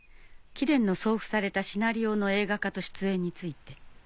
「貴殿の送付されたシナリオの映画化と出演について」。